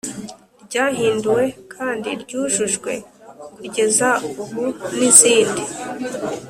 Ryahinduwe kandi ryujujwe kugeza ubu n izindi